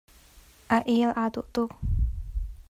A eel aa dawh tuk.